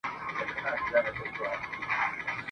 خپل که پردي دي، دلته پلونه وینم !.